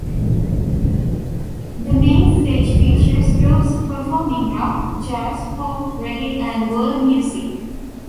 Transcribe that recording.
The main stage features groups performing rock, jazz, folk, reggae and world music.